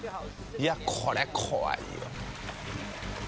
いやこれ怖いよ。